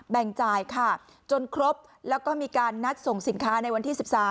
จ่ายค่ะจนครบแล้วก็มีการนัดส่งสินค้าในวันที่๑๓